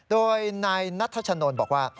โดยนายนัทชนนท์บอกว่า